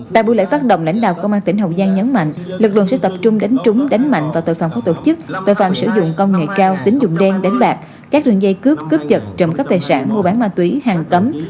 tại buổi lễ phát động lãnh đạo công an tỉnh hậu giang nhấn mạnh lực lượng sẽ tập trung đánh trúng đánh mạnh vào tội phạm của tổ chức tội phạm sử dụng công nghệ cao tính dụng đen đánh bạc các đường dây cướp cướp chật trộm cắp tài sản mua bán ma túy hàng cấm